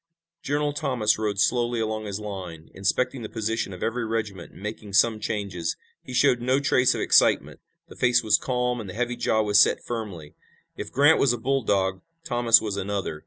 General Thomas rode slowly along his line, inspecting the position of every regiment and making some changes. He showed no trace of excitement. The face was calm and the heavy jaw was set firmly. If Grant was a bulldog Thomas was another.